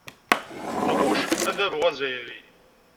Nɣucc adabu azzayri.